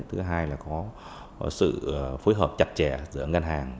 thứ hai là có sự phối hợp chặt chẽ giữa ngân hàng